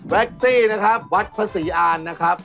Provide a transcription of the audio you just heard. ซี่นะครับวัดพระศรีอานนะครับ